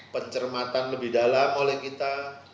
pencermatan lebih dalam oleh kita